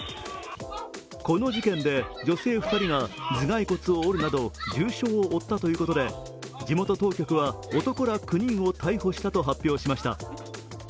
この事件で女性２人が頭蓋骨を折るなど重傷を負ったということで地元当局は男ら９人を逮捕したと発表しました。